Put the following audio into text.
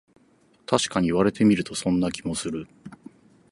たしかに言われてみると、そんな気もする